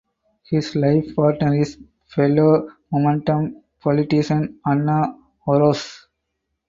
His life partner is fellow Momentum politician Anna Orosz.